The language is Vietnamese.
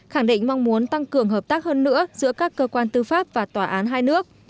khẳng định mong muốn tăng cường hợp tác hơn nữa giữa các cơ quan tư pháp và tòa án hai nước